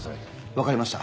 わかりました。